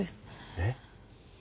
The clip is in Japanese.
えっ⁉